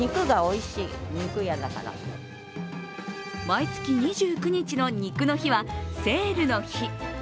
毎月２９日の肉の日はセールの日。